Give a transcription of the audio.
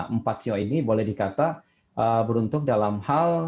empat siu ini boleh dikatakan beruntung dalam hal